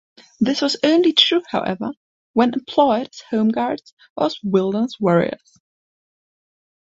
This was only true, however, when employed as home guard or as wilderness warriors.